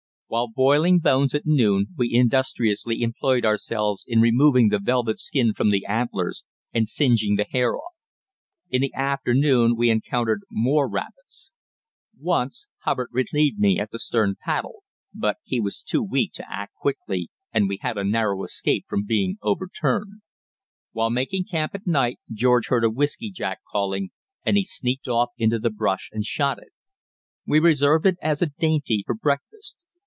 While boiling bones at noon, we industriously employed ourselves in removing the velvet skin from the antlers and singeing the hair off. In the afternoon we encountered more rapids. Once Hubbard relieved me at the stern paddle, but he was too weak to act quickly, and we had a narrow escape from being overturned. While making camp at night, George heard a whiskey jack calling, and he sneaked off into the brush and shot it. We reserved it as a dainty for breakfast.